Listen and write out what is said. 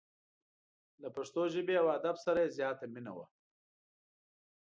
له پښتو ژبې او ادب سره یې زیاته مینه وه.